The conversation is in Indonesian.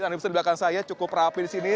di belakang saya cukup rapi di sini